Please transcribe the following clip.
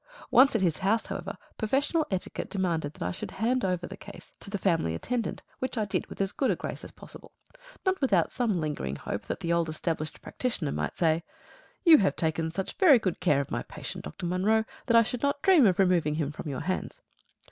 Once at his house, however, professional etiquette demanded that I should hand the case over to the family attendant, which I did with as good a grace as possible not without some lingering hope that the old established practitioner might say, "You have taken such very good care of my patient, Dr. Munro, that I should not dream of removing him from your hands."